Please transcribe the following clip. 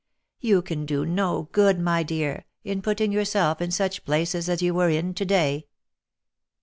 You can do no good, my dear, in putting yourself in such places as we were in to day."